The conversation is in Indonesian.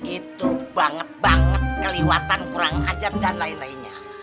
itu banget banget kelihatan kurang ajar dan lain lainnya